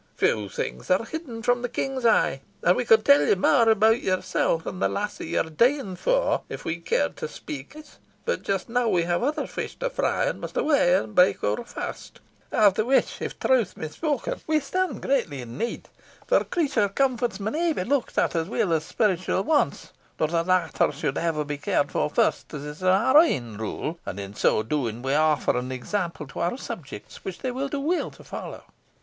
Few things are hidden from the King's eye, and we could tell ye mair aboot yoursel', and the lassie you're deeing for, if we cared to speak it; but just now we have other fish to fry, and must awa' and break our fast, of the which, if truth maun be spoken, we stand greatly in need; for creature comforts maun be aye looked to as weel as spiritual wants, though the latter should be ever cared for first, as is our ain rule; and in so doing we offer an example to our subjects, which they will do weel to follow.